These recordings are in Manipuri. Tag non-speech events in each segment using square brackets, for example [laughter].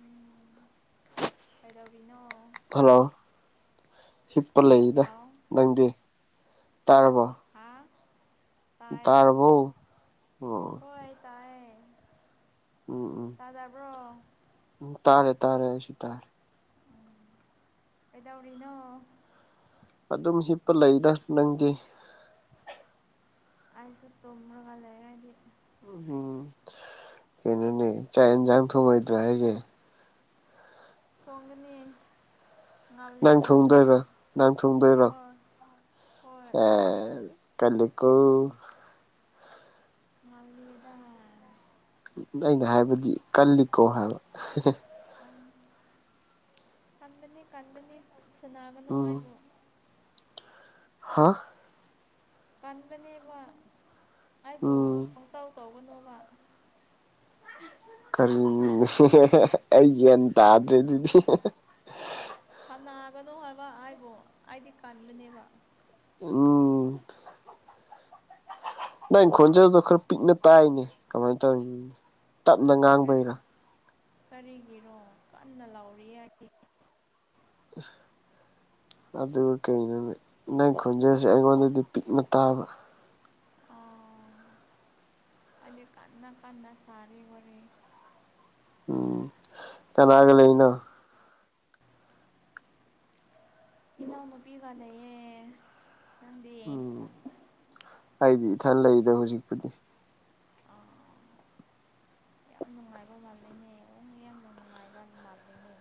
ꯎꯝ ꯀꯩꯗꯧꯔꯤꯅꯣ ꯍꯜꯂꯣ ꯍꯤꯞꯄ ꯂꯩꯗ ꯍꯜꯂꯣ ꯅꯪꯗꯤ ꯇꯥꯔꯕꯣ ꯍꯥꯥ ꯇꯥꯏꯌꯦ ꯇꯥꯔꯕꯣ ꯑꯣ ꯎꯝ ꯍꯣꯏ ꯇꯥꯏꯌꯦ ꯎꯝ ꯇꯥꯗꯕ꯭ꯔꯣ ꯎꯝ ꯇꯥꯔꯦ ꯇꯥꯔꯦ ꯑꯩꯁꯨ ꯇꯥꯔꯦ ꯀꯩꯗꯧꯔꯤꯅꯣ ꯑꯗꯨꯝ ꯍꯤꯞꯄ ꯂꯩꯗ ꯅꯪꯗꯤ ꯑꯩꯁꯨ ꯇꯨꯝꯔꯒ ꯂꯩ ꯍꯥꯏꯗꯤ ꯎꯝ ꯀꯩꯅꯣꯅꯦ ꯆꯥꯛ ꯌꯦꯟꯁꯥꯡ ꯊꯣꯡꯉꯣꯏꯗ꯭ꯔꯣ ꯍꯥꯏꯁꯦ ꯊꯣꯡꯒꯅꯤ ꯅꯪ ꯉꯜꯂꯦꯅ ꯊꯣꯡꯗꯣꯏꯔꯣ ꯅꯪ ꯊꯣꯡꯗꯣꯏꯔꯣ ꯍꯣꯏ ꯍꯣꯏ ꯁꯦꯁ ꯀꯜꯂꯤꯀꯣ ꯉꯜꯂꯤꯌꯦꯗꯥ꯫ ꯑꯩꯅ ꯍꯥꯏꯕꯗꯤ ꯀꯜꯂꯤꯀꯣ ꯍꯥꯏꯕ [unintelligible] ꯑꯪ ꯀꯟꯕꯅꯤ ꯀꯟꯕꯅꯤ ꯁꯟꯅꯥꯕꯅꯣ ꯎꯝ ꯑꯩꯕꯨ꯫ ꯍꯥ꯫ ꯀꯟꯕꯅꯦꯕ ꯑꯩꯕꯨ ꯎꯝ ꯄꯪꯇꯧ ꯇꯧꯒꯅꯣꯕ꯫ ꯀꯔꯤ [unintelligible] ꯑꯩ ꯒ꯭ꯌꯥꯟ ꯇꯥꯗ꯭ꯔꯦ ꯑꯗꯨꯗꯤ [unintelligible] ꯁꯥꯟꯅꯥꯒꯅꯣ ꯍꯥꯏꯕ ꯑꯩꯕꯣ ꯑꯩꯗꯤ ꯀꯟꯕꯅꯦꯕꯥ꯫ [unintelligible] ꯅꯪꯪ ꯈꯣꯟꯖꯦꯜꯗꯣ ꯈꯔ ꯄꯤꯛꯅ ꯇꯥꯏꯅꯦ ꯀꯃꯥꯏꯅ ꯇꯧꯔꯤꯅꯣ ꯇꯞꯅ ꯉꯥꯡꯕꯩꯔꯥ꯫ ꯀꯔꯤꯒꯤꯅꯣ ꯀꯟꯅ ꯂꯥꯎꯔꯤ ꯌꯥꯏ [inaudible] ꯑꯗꯨ ꯀꯩꯅꯣꯅꯦ ꯅꯪ ꯈꯣꯟꯖꯦꯜꯁꯦ ꯑꯩꯉꯣꯟꯗꯗꯤ ꯄꯤꯛꯅ ꯇꯥꯕ꯫ ꯑꯣ ꯑꯩꯗꯤ ꯀꯥꯟꯅ ꯀꯥꯟꯅ ꯁꯥꯔꯤ ꯋꯥꯔꯤ꯫ ꯀꯅꯥꯒ ꯂꯩꯔꯤꯅꯣ꯫ ꯏꯅꯥꯎ ꯅꯨꯄꯤ ꯒ ꯂꯩꯩꯌꯦ꯫ ꯑꯩꯗꯤ ꯏꯊꯟ ꯂꯩꯗ ꯍꯧꯖꯤꯛꯄꯨꯗꯤ꯫ ꯑꯥ꯫ ꯌꯥꯝ ꯅꯨꯡꯉꯥꯏꯕ ꯃꯥꯜꯂꯦꯅꯦ ꯑꫭꯡ ꯌꯥꯝꯅ ꯅꯨꯡꯉꯥꯏꯕ ꯃꯥꯜꯂꯦꯅꯦ꯫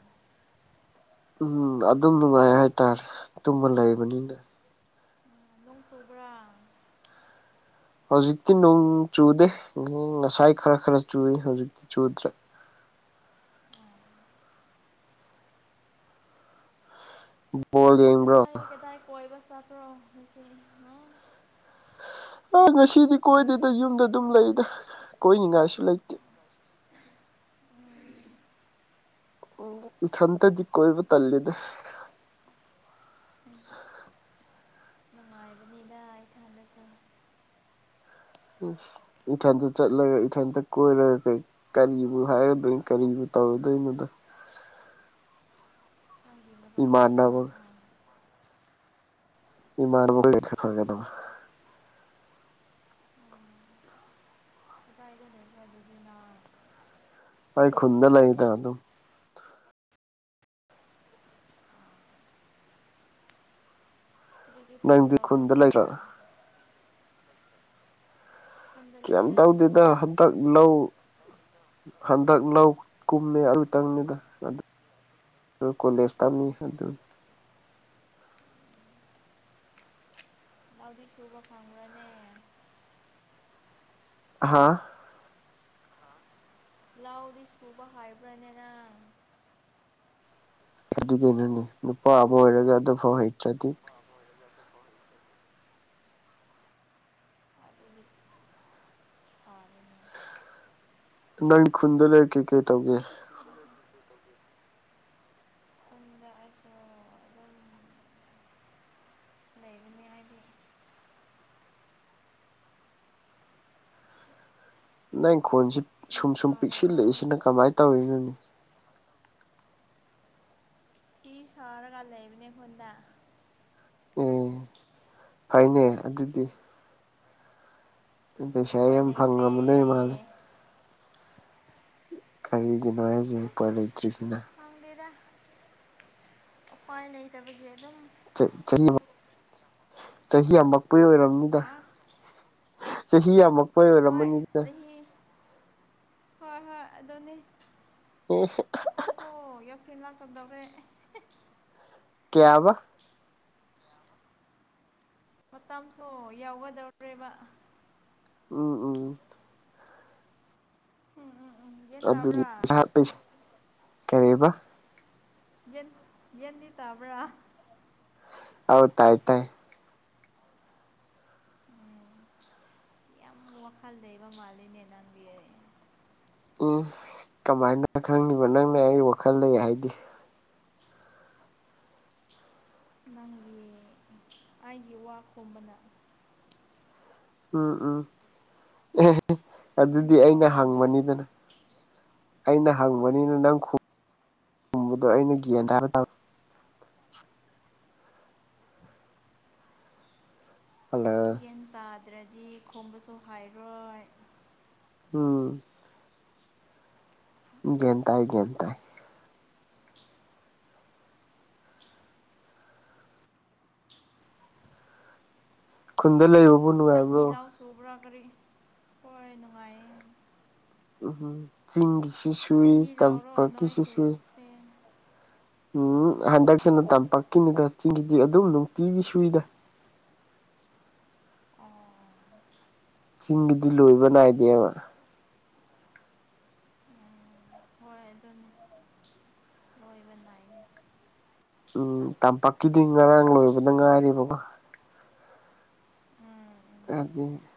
ꯎꯝ ꯑꯗꯨꯝ ꯅꯨꯡꯉꯥꯏ ꯍꯥꯏꯇꯥꯔꯦ ꯇꯨꯝꯃ ꯂꯩꯕꯅꯤꯅ꯫ ꯅꯣꯡ ꯆꯨꯕ꯭ꯔꯥ꯫ ꯍꯧꯖꯤꯛꯇꯤ ꯅꯣꯡ ꯆꯨꯗꯦ ꯉꯁꯥꯏ ꯈꯔ ꯈꯔ ꯆꯨꯏ ꯍꯧꯖꯤꯛꯇꯤ ꯆꯨꯗ꯭ꯔꯦ꯫ [unintelligible] ꯌꯦꯡꯕ꯭ꯔꯣ ꯀꯗꯥꯏ ꯀꯗꯥꯏ ꯀꯣꯏꯕ ꯆꯇ꯭ꯔꯣ ꯉꯁꯤ ꯑꯥ꯫ ꯑ ꯉꯁꯤꯗꯤ ꯀꯣꯏꯗꯦꯗ ꯌꯨꯝꯗ ꯑꯗꯨꯝ ꯂꯩꯗ ꯀꯣꯏꯅꯤꯡꯉꯥꯏꯁꯨ ꯂꯩꯇꯦ꯫ ꯏꯊꯟꯇꯗꯤ ꯀꯣꯏꯕ ꯇꯜꯂꯤꯗ꯫ ꯅꯨꯡꯉꯥꯏꯕꯅꯤꯗꯥ ꯏꯊꯟꯇꯁꯨ꯫ ꯏꯁ ꯏꯊꯟꯇ ꯆꯠꯂꯒ ꯏꯊꯟꯇ ꯀꯣꯏꯔꯒ ꯀꯩ ꯀꯔꯤꯕꯨ ꯍꯥꯏꯔꯨꯗꯣꯏꯅꯣ ꯀꯔꯤꯕꯨ ꯇꯧꯔꯨꯗꯣꯏꯅꯣꯗ꯫ ꯅꯪꯒꯤ ꯃꯔꯨꯞꯁꯤꯡ ꯏꯃꯥꯟꯅꯕ ꯅꫭꯛꯑ [unintelligible] ꯀꯗꯥꯏꯗ ꯂꯩꯕ꯭ꯔ ꯑꯗꯨꯗꯤ ꯅꯪ꯫ ꯑꯩ ꯈꯨꯟꯗ ꯂꯩꯗ ꯑꯗꯨꯝ꯫ ꯀꯔꯤ ꯀ꯭ꯔꯤ ꯊꯕꯛ ꯅꯪꯗꯤ ꯇꯧꯕ꯭ꯔꯣ ꯈꯨꯟꯗ ꯈꯨꯅꯥ꯫ ꯂꯩꯇ꯭ꯔꯥ ꯈꯨꯟꯗ ꯀꯩꯝ ꯂꯩꯔꯁꯨ ꯇꯧꯗꯦꯗ ꯍꯟꯇꯛ ꯂꯧ ꯍꯟꯗꯛ ꯂꯧ ꯀꯨꯝꯃꯦ ꯑꯗꯨꯇꯪꯅꯤꯗ ꯑ ꯗꯨ ꯀꯣꯂꯦꯖ ꯇꯝꯃꯤ ꯑꯗꯨ ꯂꯧꯗꯤ ꯁꯨꯕ ꯐꯪꯕ꯭ꯔꯅꯦ꯫ ꯍꯥꯥ꯫ ꯂꯥꯎꯗꯤ ꯁꯨꯕ ꯍꯩꯕ꯭ꯔꯅꯦ ꯅꯪ꯫ ꯑꯗꯨꯗ ꯀꯩꯅꯅꯦ ꯅꯨꯄꯥ ꯑꯃ ꯑꯣꯏꯔꯒ ꯑꯗꯨ ꯐꯥꯎ ꯍꯩꯇ꯭ꯔꯗꯤ꯫ ꯐꯥꯔꯦꯅꯦ꯫ ꯅꯪ ꯈꯨꯟꯗ ꯂꯩꯔ ꯀꯩ ꯀꯩ ꯇꯧꯒꯦ꯫ [inaudible] ꯈꯨꯟꯗ ꯑꯩꯁꯨ ꯑꯗꯨꯝ ꯂꯩꯕꯅꯦ ꯑꯩꯗꯤ꯫ ꯅꯪꯪꯈꯣꯟꯁꯤ ꯐꯤ ꯁꯨꯝ ꯁꯨꯝ ꯁꯥꯔꯒ ꯄꯤꯛꯁꯤꯜꯂꯛꯏꯁꯤꯅ ꯀꯃꯥꯏꯅ ꯇꯧꯔꯤꯅꯣꯅꯦ ꯐꯤ ꯁꯥꯔꯒ ꯂꯩꯕꯅꯦ ꯈꯨꯟꯗ ꯎꯝ ꯐꯩꯅꯦ ꯑꯗꯨꯗꯤ ꯄꯩꯁꯥ ꯎꯄꯥꯏ ꯌꯥꯝ ꯂꯩꯇ꯭ꯔꯦ ꯐꯪꯉꯝꯃꯗꯣꯏ ꯃꯥꯜꯂꯤ ꯀꯔꯤꯒꯤꯅꯣ ꯍꯥꯏꯁꯦ ꯎꯄꯥꯏ ꯑꯁ ꯂꯩꯇ꯭ꯔꯤꯁꯤꯅ ꯈꯪꯗꯦꯗ ꯎꯄꯥꯏ ꯂꯩꯇꯕꯒꯤ ꯑꯗꯨꯝ ꯆꯍꯤ ꯆꯍꯤ ꯌꯥꯝꯃꯛꯄꯒꯤ ꯑꯣꯏꯔꯝꯅꯤꯗ ꯍꯥ ꯆꯍꯤ ꯌꯥꯝꯃꯛꯄꯩ ꯍꯣꯏ ꯑꯣꯏꯔꯝꯃꯅꯤꯗ ꯆꯍꯤ ꯍꯣꯏ ꯍꯣꯏ ꯑꯗꯨꯅꯤ ꯑꯣ ꯍꯣ [unintelligible] ꯃꯇꯝꯁꯨ ꯌꯧꯁꯤꯜꯂꯀꯗꯧꯔꯦ ꯀ꯭ꯌꯥꯕ ꯃꯇꯝꯁꯨ ꯌꯧꯒꯗꯧꯔꯦꯕ ꯎꯝ ꯎꯝ ꯎꯝ ꯎꯝ ꯎꯝ ꯒ꯭ꯌꯥꯟ ꯑꯗꯨꯅꯤ ꯇꯥꯕ꯭ꯔꯥ ꯄꯩꯁꯥ ꯍꯥꯏꯁꯦ ꯀꯔꯤꯕ ꯌꯦꯟ ꯒ꯭ꯌꯦꯟꯗꯤ ꯇꯥꯕ꯭ꯔꯥ ꯑꯥꯎ ꯇꯥꯏ ꯇꯥꯏ ꯎꯝ ꯌꯥꯝ ꯋꯥꯈꯜ ꯂꯩꯕ ꯃꯥꯜꯂꯤꯅꯦ ꯅꯪꯗꯤ ꯀꯃꯥꯏꯅ ꯈꯪꯉꯤꯕ ꯅꯪꯅ ꯑꯩ ꯋꯥꯈꯜ ꯂꯩ ꯍꯥꯏꯗꯤ ꯅꯪꯒꯤ ꯑꯩꯒꯤ ꯋꯥ ꯈꯣꯝꯕꯅ ꯎꯝ ꯎꯝ ꯑꯗꯨꯗꯤ ꯅꯪꯒꯤ ꯑꯩꯅ ꯋꯥꯉꯥꯡꯅ ꯍꯪꯕꯅꯤꯗꯅ ꯑꯩꯅ ꯍꯪꯕꯅꯤꯅ ꯅꯪ ꯈꯨꯝꯕꯗꯣ ꯑꯩꯅ ꯒ꯭ꯌꯥꯟ ꯇꯥꯔ ꯇꯧ ꯍꯜꯂꯣ ꯒ꯭ꯌꯦꯟ ꯇꯥꯗ꯭ꯔꯗꯤ ꯈꯨꯝꯕꯁꯨ ꯍꯩꯔꯣꯏ ꯎꯝ ꯒꯌꯥꯟ ꯇꯥꯏ ꯒꯌꯥꯟ ꯇꯥꯏ ꯈꯨꯟꯗ ꯂꯩꯕꯕꯨ ꯅꯨꯡꯉꯥꯏꯕ꯭ꯔꯣ ꯆꯤꯡꯒꯤ ꯂꯧ ꯁꯨꯕ꯭ꯔꯥ ꯀꯔꯤ ꯍꯣꯏ ꯅꯨꯡꯉꯥꯏꯌꯦ ꯎꯝ ꯆꯤꯡꯒꯤ ꯢꯁꯤꯡꯁꯨ ꯆꯤꯡꯒꯤ ꯂꯥꯎꯔꯣ ꯅꯣꯏꯁꯨ ꯁꯨ ꯁꯨꯁꯦ ꯎꯝ ꯑꯣ ꯍꯟꯗꯛꯁꯤꯅ ꯇꯝꯄꯥꯛꯀꯤꯅꯤꯗ ꯆꯤꯡꯒꯤꯗꯤ ꯑꯗꯨꯝ ꯅꯨꯡꯇꯤꯒꯤ ꯁꯨꯏꯗ ꯑꯣ ꯆꯤꯡꯒꯤꯗꯤ ꯂꯣꯏꯕ ꯅꯥꯏꯗꯦꯕ ꯎꯝ ꯍꯣꯏ ꯑꯗꯨꯅꯤ ꯂꯣꯏꯕ ꯅꯥꯏꯗꯦ ꯎꯝ ꯇꯝꯄꯥꯛꯀꯤꯗꯤ ꯉꯔꯥꯡ ꯂꯣꯏꯕꯗ ꯉꯥꯏꯔꯤꯕꯀꯣ ꯎꯝ ꯎꯝ [unintelligible]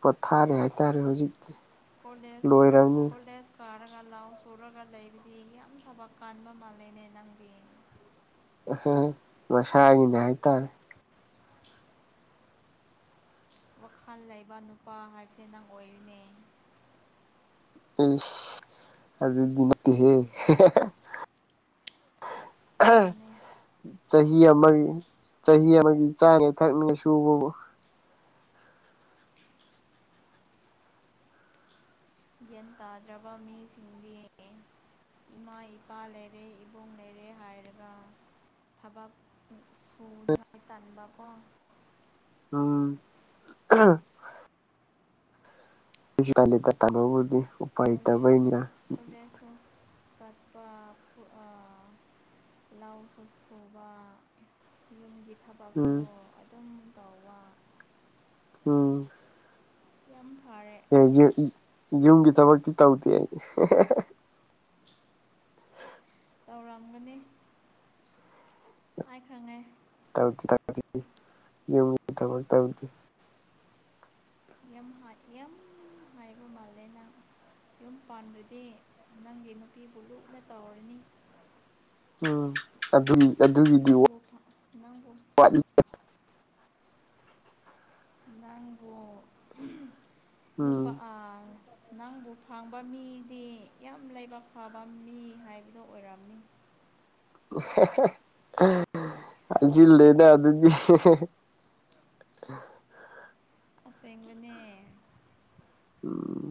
ꯄꯣꯊꯥꯔꯦ ꯍꯥꯏꯇꯥꯔꯦ ꯍꯧꯖꯤꯛꯇꯤ ꯀꯣꯂꯦꯖ ꯂꯣꯏꯔꯕꯅꯤ ꯀꯣꯂꯦꯖ ꯀꯥꯔꯒ ꯂꯥꯎ ꯁꯨꯔꯒ ꯂꯩꯕꯗꯤ ꯌꯥꯝ ꯊꯕꯛ ꯀꯥꯟꯕ ꯃꯥꯜꯂꯦꯅꯦ ꯅꯪꯗꯤ ꯃꯁꯒꯤꯅꯦ ꯍꯥꯏꯇꯥꯔꯦ ꯋꯥꯈꯜ ꯂꯩꯕ ꯅꯨꯄꯥ ꯍꯥꯏꯕꯁꯦ ꯅꯪ ꯑꯣꯏꯔꯦꯅꯦ ꯑꯗꯨꯗꯤ ꯅꯠꯇꯦ ꯍꯦ ꯑꯗꯨꯅꯦ ꯆꯍꯤ ꯑꯃꯒꯤ ꯆꯍꯤ ꯑꯃꯒꯤ ꯆꯥꯉꯩ ꯊꯛꯅꯤꯡꯉ ꯁꯨꯕꯕꯨ꯫ ꯒ꯭ꯌꯥꯟ ꯇꯥꯗ꯭ꯔꯕ ꯃꯤꯁꯤꯡꯗꯤ꯫ ꯏꯃꯥ ꯏꯄꯥ ꯂꯩꯔꯦ ꯏꯕꯨꯡ ꯂꯩꯔꯦ ꯍꯥꯏꯔꯒ꯫ ꯊꯕꯛ ꯁꯨ ꯁꯨꯅꯤꯡꯉꯥꯏ ꯇꯟꯕꯀꫭ꯫ ꯎꯝ ꯑꯥ ꯑꯩꯁꯨ [unintelligible] ꯕꯨꯗꯤ꯫ ꯀꯣꯂꯦꯖꯇꫭ ꯀꯣꯂꯦꯖꯇꫭ ꯆꯠꯄ ꯄꯨ ꯑ ꯂꯧꯁꯨ ꯁꯨꯕꯥ꯫ ꯌꯨꯝꯒꯤ ꯊꯕꯛꯁꯨ ꯎꯝ ꯑꯗꯨꯝ ꯇꯧꯕꯥ꯫ ꯎꯝ ꯌꯥꯝ ꯐꯥꯔꯦ꯫ [unintelligible] ꯌꯨꯝꯒꯤ ꯊꯕꯛꯇꯤ ꯇꯧꯗꯦ ꯑꯩ [unintelligible] ꯇꯧꯔꯝꯒꯅꯤ꯫ ꯑꯥꯏ ꯈꯪꯉꯦ꯫ ꯇꯥꯎꯗꯦ ꯇꯥꯎꯗꯦ ꯌꯨꯝꯒꯤ ꯊꯕꯛ ꯊꯥꯎꯗꯦ꯫ ꯌꯥꯝ ꯍꯥꯏ ꯌꯥꯝ ꯍꯥꯏꯕ ꯃꯥꯜꯂꯦ ꯅꯪ꯫ ꯌꯨꯝ ꯄꯥꯟꯔꯗꯤ ꯅꯪꯒꯤ ꯅꯨꯄꯤꯕꯨ ꯂꯨꯅ ꯇꯧꯔꯅꯤ꯫ ꯎꯝ ꯑꯗꯨꯒꯤ ꯑꯗꯨꯒꯤꯗꯤ ꯋꯥꯠ ꯅꯪꯕꯨ ꯅꯪꯕꯨ ꯋꯥꯠꯂꯤꯗ꯫ ꯅꯪꯕꯨ ꯅꯞꯄꯥ ꯎꯝ ꯑꯥ ꯅꯪꯕꯨ ꯐꯪꯕ ꯃꯤꯗꯤ ꯌꯥꯝ ꯂꯥꯏꯕꯛ ꯐꯕ ꯃꯤ ꯍꯥꯏꯕꯗꯣ ꯑꯣꯏꯔꯝꯅꯤ꯫ [unintelligible] ꯍꯥꯏꯖꯦꯜꯂꯦꯗ ꯑꯗꯨꯗꯤ [unintelligible] ꯑꯁꯦꯡꯕꯅꯦ꯫ ꯎꯝ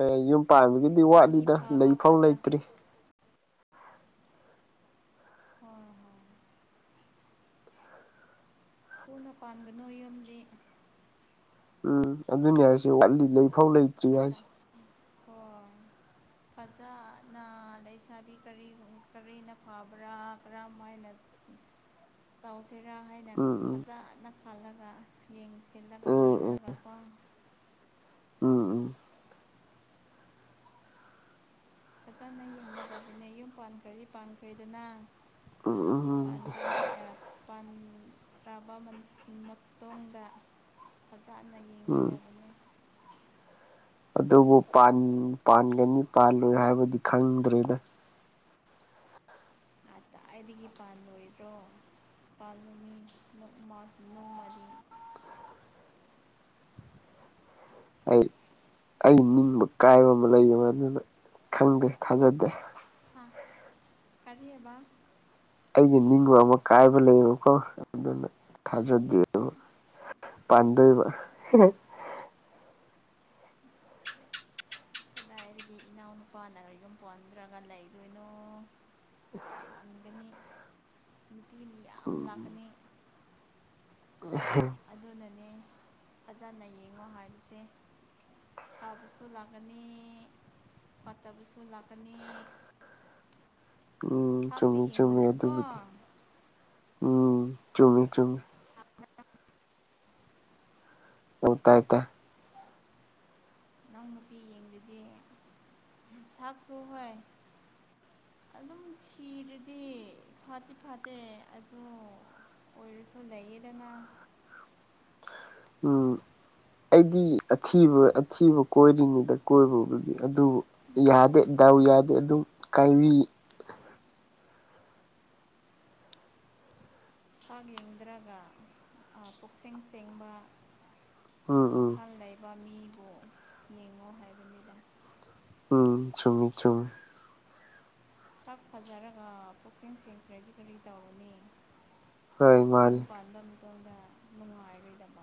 ꯑꯦ ꯌꯨꯝ ꯄꯥꯟꯕꯒꯤꯗꯤ ꯃꯤ ꯋꯥꯠꯂꯤꯗ ꯐꯕ ꯂꯩꯐꯥꯎ ꯐꯠꯇ ꯂꯩꯇ꯭ꯔꯤ꯫ ꯍꯣꯏ ꯍꯣꯏ꯫ ꯊꯨꯅ ꯄꯥꯟꯒꯅꯣ ꯌꯨꯝꯗꯤ꯫ ꯎꯝ ꯑꯗꯨꯅꯤ ꯍꯥꯏꯁꯦ ꯋꯥꯠꯂꯤ ꯂꯩꯐꯥꯎ ꯂꯩ ꯑꯠꯆꯥ ꯍꯣꯏ꯫ ꯐꯖꯅ ꯂꯩꯁꯥꯕꯤ ꯀꯔꯤꯒꯨꯝ ꯀꯔꯤꯅ ꯐꯕ꯭ꯔꯥ ꯀꯔꯝ ꯃꯥꯏꯅ [inaudible] ꯇꯧꯁꯤꯔꯥ ꯍꯥꯏꯅ ꯎꯝ ꯐꯖꯅ ꯈꯜꯂꯒ ꯌꯦꯡꯁꯜꯂꯒ ꯎꯝ ꯎꯝ ꯌꯦꯡꯂꯒꯀꯣ꯫ ꯎꯝ ꯎꯝ ꯐꯖꯅ ꯌꯦꯡꯒꯗꯕꯅꯦ ꯌꯨꯝ ꯄꯥꯟꯈ꯭ꯔꯗꯤ ꯄꯥꯟꯈ꯭ꯔꯦꯗꯅ꯫ ꯎꯝ ꯎꯝ ꯎꯝ ꯄꯥꯟꯗ꯭ꯔꯦꯅꯤ ꯑꯦ ꯄꯥꯟ ꯇ꯭ꯔꯕ ꯃꯇꯨꯡꯗ ꯐꯖꯅ ꯎꯝ ꯌꯦꯡꯒꯗꯕꯅꯤ꯫ ꯗꯨꯕꯨ ꯄꯥꯟ ꯄꯥꯟꯒꯅꯤ ꯄꯥꯜꯂꯣꯏ ꯍꯥꯏꯕꯗꯤ ꯈꯪꯗ꯭ꯔꯦꯗ꯫ ꯀꯗꯥꯏꯗꯒꯤ ꯄꯥꯟꯂꯣꯏꯗ꯭ꯔꯣ ꯄꯥꯜꯂꯨꯅꯤ ꯅꯣꯡꯃꯥꯁ ꯅꯣꯡꯃꯗꯤ꯫ ꯑꯩ ꯑꯩ ꯅꯤꯡꯕ ꯀꯥꯏꯕ ꯑꯃ ꯂꯩꯌꯦꯕ ꯃꯗꯨꯗ ꯈꯪꯗꯦ ꯊꯥꯖꯗꯦ꯫ ꯍꯥꯥ ꯀꯔꯤꯑꯕ꯫ ꯑꯩꯒꯤ ꯅꯤꯡꯕ ꯑꯃ ꯀꯥꯏꯕ ꯂꯩꯕꯀꯣ ꯑꯗꯨꯅ ꯊꯥꯖꯗꯦꯕ꯫ ꯄꯥꯟꯗꯣꯏꯕ [unintelligible] ꯀꯗꯥꯏꯗꯒꯤ ꯏꯅꯥꯎ ꯅꯨꯄꯥꯅ ꯌꯨꯝ ꯄꯣꯟꯟꯗ꯭ꯔꯒ ꯂꯩꯗꯣꯏꯅꯣ꯫ ꯄꯥꯟꯒꯅꯤ ꯅꯨꯄꯤ ꯃꯌꯥꯝ ꯎꯝ ꯂꯥꯛꯀꯅꯤ꯫ [unintelligible] ꯑꯗꯨꯅꯅꯦ ꯐꯖꯅ ꯌꯦꯡꯉꯣ ꯍꯥꯏꯕꯁꯦ꯫ ꯐꯥꯕꯁꯨ ꯂꯥꯛꯀꯅꯤ ꯐꯠꯇꯕꯁꯨ ꯂꯥꯛꯀꯅꯤ꯫ ꯎꯝ ꯁꯥꯛꯇꯤ ꯆꯨꯝꯃꯤ-ꯆꯨꯝꯃꯤ ꯌꯦꯡꯒꯅꯨꯀꯣ ꯑꯗꯨꯕꯨꯗꯤ ꯎꯝ ꯆꯨꯝꯃꯤ-ꯆꯨꯝꯃꯤ꯫ ꯑꯣ ꯇꯥꯏ ꯇꯥꯏ꯫ ꯅꯪ ꯅꯨꯄꯤ ꯌꯦꯡꯂꯗꯤ ꯅꯁꯥꯛꯁꯨ ꯍꯣꯏ꯫ ꯑꯗꯨꯝ ꯊꯤꯔꯗꯤ ꯐꯠꯇꯤ ꯐꯠꯇꯦ ꯑꯗꯣ꯫ ꯑꯣꯏꯔꯁꯨ ꯂꯩꯌꯦꯗꯅ꯫ ꯎꯝ ꯑꯩꯗꯤ ꯑꯊꯤꯕ ꯑꯊꯤꯕ ꯀꯣꯏꯔꯤꯅꯤꯗ ꯀꯣꯏꯕꯕꯨꯗꯤ ꯑꯗꯨꯕꯨ ꯌꯥꯗꯦ ꯗꯥꯎ ꯌꯥꯗꯦ ꯑꯗꯨꯝ ꯀꯥꯏꯕꯤ꯫ ꯁꯥꯛ ꯌꯦꯡꯗ꯭ꯔꯒ ꯑ ꯄꯨꯛꯆꯦꯟ ꯁꯦꯡꯕ ꯎꯝ ꯎꯝ ꯋꯥꯈꯜ ꯂꯩ ꯕ ꯃꯤꯕꯨ ꯌꯦꯡꯉꯣ ꯍꯥꯏꯕꯅꯤꯗ꯫ ꯎꯝ ꯆꯨꯝꯃꯤ ꯆꯨꯝꯃꯤ꯫ ꯁꯛ ꯐꯖꯔꯒ ꯄꯨꯛꯆꯦꯜ ꯁꯦꯡꯗ꯭ꯔꯗꯤ ꯀꯔꯤ ꯇꯧꯔꯨꯅꯤ꯫ ꯍꯣꯏ ꯌꯨꯝ ꯃꯥꯅꯤ ꯄꯥꯟꯕ ꯃꯇꯝꯗ ꯅꯨꯡꯉꯥꯏꯔꯣꯏꯗꯕ꯫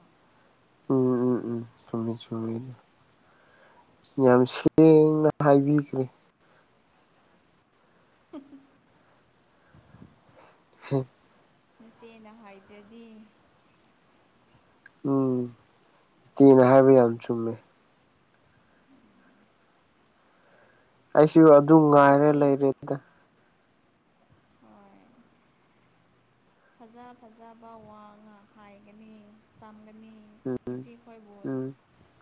ꯆꯨꯝꯃꯤ-ꯆꯨꯝꯃꯤ꯫ ꯌꯥꯝ ꯁꯦꯡꯅ ꯍꯥꯏꯕꯤꯈ꯭ꯔꯦ꯫ [unintelligible] [unintelligible] ꯅꯆꯦꯅ ꯍꯥꯏꯗ꯭ꯔꯗꯤ꯫ ꯎꯝ ꯏꯆꯦꯅ ꯍꯥꯏꯕ ꯌꯥꯝ ꯆꯨꯝꯃꯦ꯫ ꯑꯩꯁꯨ ꯑꯗꯨ ꯉꯥꯏꯔꯦ ꯏꯆꯦ ꯂꯩꯔꯦꯗ꯫ ꯍꯣꯏ꯫ ꯐꯖ ꯐꯖꯕ ꯋꯥ ꯉꯥꯛ ꯍꯥꯏꯒꯅꯤ ꯇꯝꯒꯅꯤ꯫ ꯎꯝ ꯏꯆꯦ ꯈꯣꯏꯕꯨ ꯎꯝ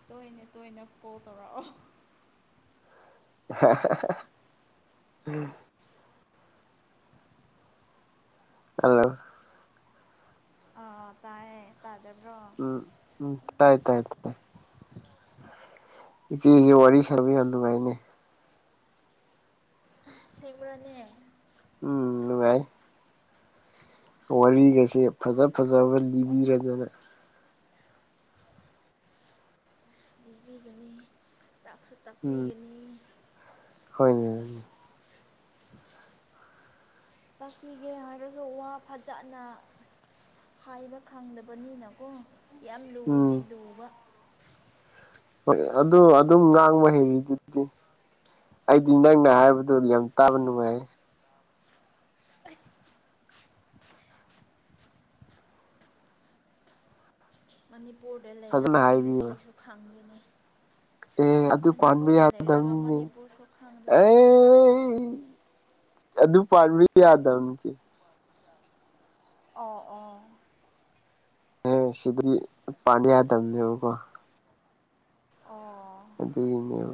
ꯇꯣꯏꯅ ꯇꯣꯏꯅ ꯀꯣꯜ ꯇꯧꯔꯛꯑꯣ꯫ [unintelligible] ꯍꯜꯂꯣ꯫ ꯑꯥ ꯇꯥꯏꯌꯦ ꯇꯥꯗꯕ꯭ꯔꯣ꯫ ꯎꯝ ꯇꯥꯏ ꯇꯥꯏ ꯇ ꯇꯥꯏ꯫ ꯏꯆꯦꯒꯤ ꯋꯥꯔꯤ ꯁꯥꯕꯤ ꯌꯥꯝ ꯅꯨꯡꯉꯥꯏꯅꯦ꯫ ꯑꯁꯦꯡꯕ꯭ꯔꯅꯦ꯫ ꯎꯝ ꯅꯨꯡꯉꯥꯏ ꯋꯥꯔꯤꯒꯁꯦ ꯐꯖ ꯐꯖꯕ ꯑꯣ ꯂꯤꯕꯤꯔꯗꯅ꯫ ꯂꯤꯕꯤꯒꯅꯤ ꯇꯥꯛꯁꯨ ꯎꯝ ꯇꯥꯛꯄꯤꯒꯅꯤ꯫ ꯍꯣꯏꯅꯦ꯫ ꯇꯥꯛꯄꯤꯒꯦ ꯍꯥꯏꯔꯁꯨ ꯋꯥ ꯐꯖꯅ ꯍꯥꯏꯕ ꯈꯪꯗꯕꯅꯤꯅꯀꯣ ꯌꯥꯝ ꯂꯨꯗꯤ ꯎꯝ ꯂꯨꯕ꯫ ꯍꯣꯏ ꯑꯗꯨ ꯑꯗꯨꯝ ꯉꯥꯡꯕ ꯍꯩꯔꯤꯗꯨꯗꯤ꯫ ꯑꯩꯗꯤ ꯅꯪꯅ ꯍꯥꯏꯕꯗꯨ ꯌꯥꯝ ꯇꯥꯕ ꯅꯨꯡꯉꯥꯏ꯫ ꯃꯅꯤꯄꯨꯔꯗ ꯐꯖꯅ ꯂꯩꯔꯒ ꯍꯥꯏꯕꯤꯕ ꯃꯅꯤꯄꯨꯔꯤꯁꯨ ꯈꯪꯗꯦꯅꯦ꯫ ꯑꯦ ꯍꯣꯏ ꯑꯗꯨ ꯄꯥꯟꯕꯤ ꯃꯅꯤꯄꯨꯔꯗ ꯂꯩꯔꯒ ꯌꯥꯗꯝꯅꯤꯅꯦ ꯃꯅꯤꯄꯨꯔꯁꯨ ꯑꯦ꯫ ꯈꯪꯗꯕꯅꯤꯅꯦ ꯑꯗꯨ ꯄꯥꯟꯕ ꯌꯥꯗꯕꯅꯤ ꯆꯦ꯫ ꯑꫭ ꯑꫭ꯫ ꯍ ꯁꯤꯗꯒꯤ ꯄꯥꯟꯕꯥ ꯌꯥꯗꯕꯅꯤ ꯕꯀꯣ꯫ ꯑꯣ꯫ ꯑꯗꯨꯒꯤꯅꯦꯕ꯫